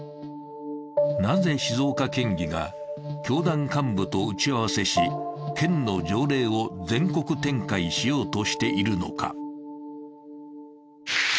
なぜ、静岡県議が教団幹部と打ち合わせし、県の条例を全国展開しようとしているのか？